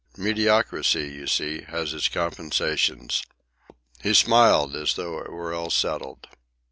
Mediocrity, you see, has its compensations." He smiled as though it were all settled.